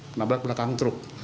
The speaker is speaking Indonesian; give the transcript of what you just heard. penabrak belakang truk